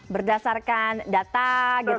berdasarkan data gitu